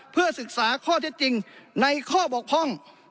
เพื่อศึกษาข้อเท็จจริงในข้อบกพร่อง